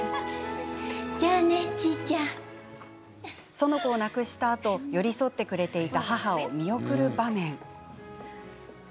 園子を亡くしたあと寄り添ってくれていた母を見送る場面。